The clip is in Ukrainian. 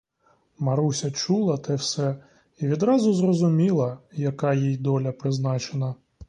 Маруся чула те все і відразу зрозуміла, яка їй доля призначена.